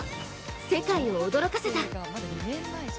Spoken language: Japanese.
世界を驚かせた。